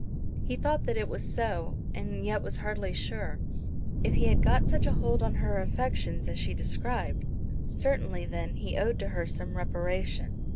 He thought that it was so, and yet was hardly sure. If he had got such a hold on her affections as she described, certainly, then, he owed to her some reparation.